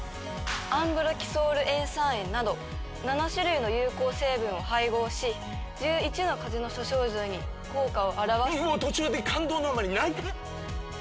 アンブロキソール塩酸塩など７種類の有効成分を配合し１１の風邪の諸症状に効果をあらわすもう途中で感動のあまり泣いて！